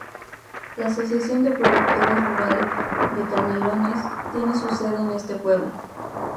La "Asociación de Productores Rurales de Canelones" tiene su sede en este pueblo.